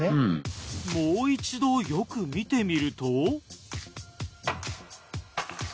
もう一度よく見てみると。